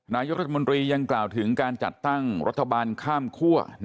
นายกรัฐมนตรียังกล่าวถึงการจัดตั้งรัฐบาลข้ามคั่ว